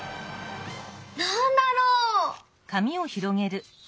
なんだろう？